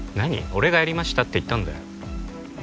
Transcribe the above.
「俺がやりました」って言ったんだよ